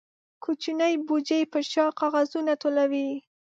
کوچنی بوجۍ په شا کاغذونه ټولوي.